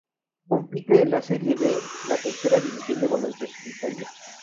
Compite en la Serie B, la tercera división del baloncesto en Italia.